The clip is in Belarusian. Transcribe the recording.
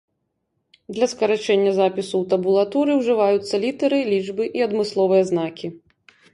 Для скарачэння запісу ў табулатуры ўжываюцца літары, лічбы і адмысловыя знакі.